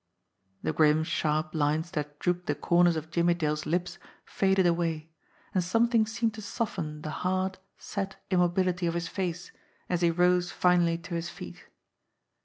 The grim, sharp lines that drooped the corners of Jimmie Dale's lips faded away, and something seemed to soften the hard, set immobility of his face as he rose finally to his feet.